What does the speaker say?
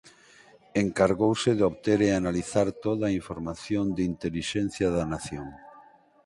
Encargouse de obter e analizar toda a información de intelixencia da nación.